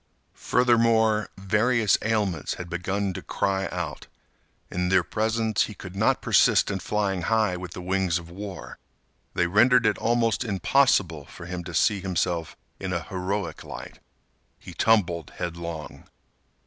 Furthermore, various ailments had begun to cry out. In their presence he could not persist in flying high with the wings of war; they rendered it almost impossible for him to see himself in a heroic light. He tumbled headlong.